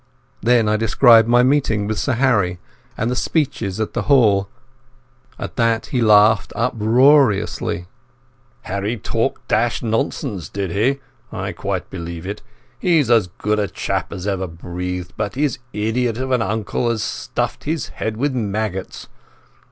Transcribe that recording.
Then I described my meeting with Sir Harry, and the speeches at the hall. At that he laughed uproariously. "Harry talked dashed nonsense, did he? I quite believe it. He's as good a chap as ever breathed, but his idiot of an uncle has stuffed his head with maggots.